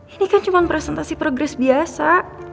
ini kan cuma presentasi progres biasa